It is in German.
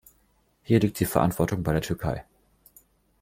Hier liegt die Verantwortung bei der Türkei.